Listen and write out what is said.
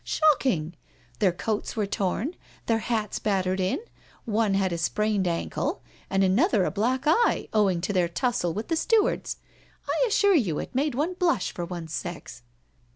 Shocking! their coats were torn, their hats battered in, one had a sprained ankle, and another a black eye, owing to their tussle with the stewards. I assure you it made one blush for one's sex."